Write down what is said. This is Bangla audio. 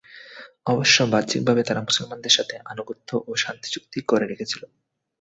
অবশ্য বাহ্যিকভাবে তারা মুসলমানদের সাথে আনুগত্য ও শান্তি চুক্তি করে রেখেছিল।